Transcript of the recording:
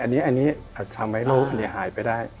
อันนี้ทำให้โรคอันนี้หายไปได้